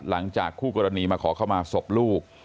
หลังจากคู่กรณีมาขอเข้ามาศพลูก